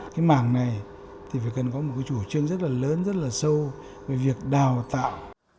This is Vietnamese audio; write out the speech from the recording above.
cái mảng này thì phải cần có một cái chủ trương rất là lớn rất là sâu về việc đào tạo